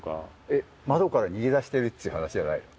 えっ窓から逃げ出してるっていう話じゃないの？